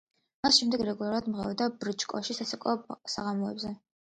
მას შემდეგ რეგულარულად მღეროდა ბრჩკოში საცეკვაო საღამოებზე.